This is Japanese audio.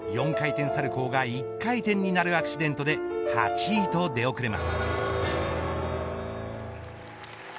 ４回転サルコウが１回転になるアクシデントで８位と出遅れます。